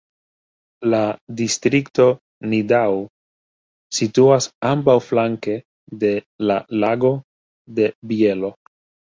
La distrikto Nidau situas ambaŭflanke de la Lago de Bielo.